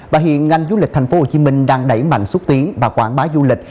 và hiện ngành du lịch tp hcm đang đẩy mạnh xúc tiến và quảng bá du lịch